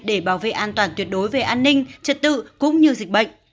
để bảo vệ an toàn tuyệt đối về an ninh trật tự cũng như dịch bệnh